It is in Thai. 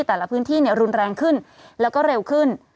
แต่ละพื้นที่รุนแรงขึ้นแล้วก็เร็วขึ้น